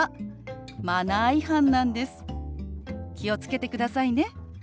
気を付けてくださいね。